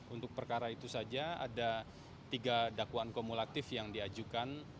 untuk perkara itu saja ada tiga dakwaan kumulatif yang diajukan